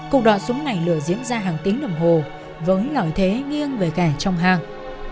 cục đọ súng này lửa diễn ra hàng tiếng đồng hồ với lợi thế nghiêng về cả trong hang